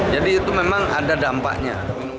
jadi itu memang ada dampaknya